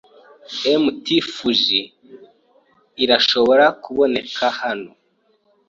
Mt. Fuji irashobora kuboneka hano.